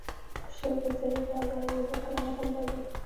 شل ګزی بابا یو بل کرامت هم درلود.